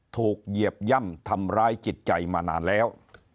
เหยียบย่ำทำร้ายจิตใจมานานแล้ว